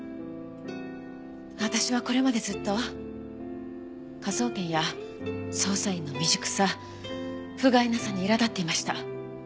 私はこれまでずっと科捜研や捜査員の未熟さふがいなさにいら立っていました。